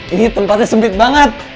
ini tempatnya sempit banget